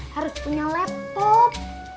harus punya laptop